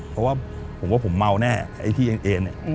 เพราะว่าผมว่าผมเมาแน่ไอ้ที่เอ็นเอ็นเนี่ย